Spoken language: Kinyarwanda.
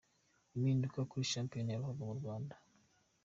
Impinduka kuri Shampiyona ya Ruhago mu Rwanda